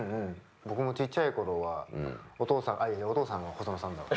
僕もちっちゃい頃はお父さんいやお父さんは細野さんだわ。